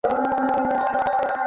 এরপর আমরা কিছুই করতে পারব না।